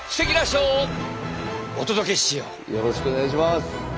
よろしくお願いします！